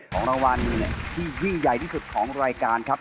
ของรางวัลที่ยี่ใหญ่ที่สุดของรายการครับ